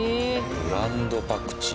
ブランドパクチー。